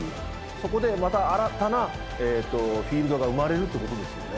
そこでまた新たなフィールドが生まれるということですよね。